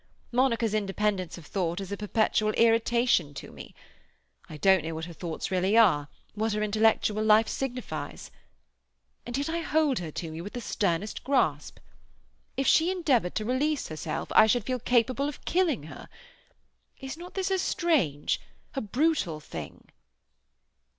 Monica's independence of thought is a perpetual irritation to me. I don't know what her thoughts really are, what her intellectual life signifies. And yet I hold her to me with the sternest grasp. If she endeavoured to release herself I should feel capable of killing her. Is not this a strange, a brutal thing?"